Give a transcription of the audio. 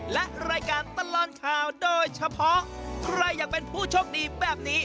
และรายการตลอดข่าวโดยเฉพาะใครอยากเป็นผู้โชคดีแบบนี้